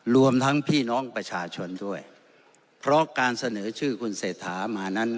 รวมทั้งพี่น้องประชาชนด้วยเพราะการเสนอชื่อคุณเศรษฐามานั้น